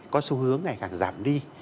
có xu hướng ngày càng giảm đi